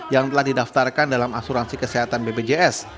yang telah didaftarkan dalam asuransi kesehatan bpjs